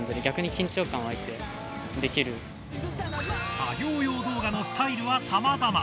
作業用動画のスタイルはさまざま。